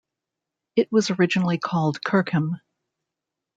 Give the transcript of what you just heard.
It was originally called "Kirkham".